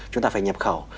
chúng ta phải nhập khẩu